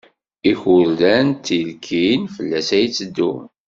Ikurdan d tilkin, fell-as ay teddun.